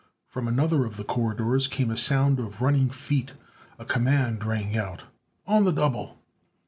From another of the corridors came a sound of running feet. A command rang out: "On the double!"